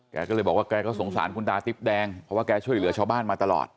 แกก็เลยบอกว่าแกก็สงสารคุณตาติ๊บแดงเพราะว่าแกช่วยเหลือชาวบ้านมาตลอด